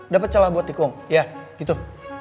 dapat celah buat tikung ya gitu